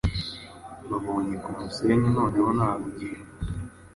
Babonye kumusenyi noneho nta bugingo